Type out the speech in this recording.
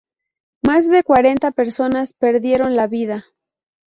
Más de cuarenta personas perdieron la vida.